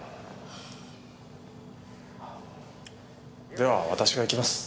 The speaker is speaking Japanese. では私が行きます。